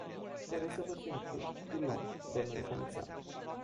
Doresc să vă felicit, din nou, dle comisar.